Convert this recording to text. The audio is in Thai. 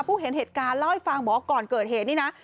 เห็นเหตุการณ์เล่าให้ฟังบอกว่าก่อนเกิดเหตุนี่นะ